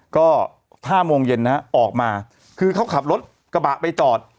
ก็๕โมงเย็นนะฮะออกมาคือเขาขับรถกระบะไปจอด